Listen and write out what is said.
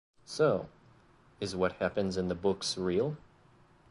So: is what happens in the books real?